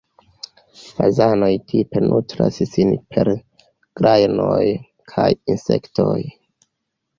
Fazanoj tipe nutras sin per grajnoj kaj insektoj.